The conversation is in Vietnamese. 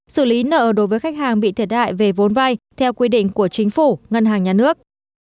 xử lý nợ đối với khách hàng bị thiệt hại về vốn vay theo quy định của chính phủ ngân hàng nhà nước